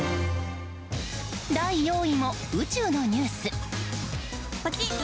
第４位も宇宙のニュース。